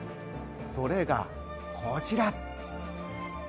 それがこちら。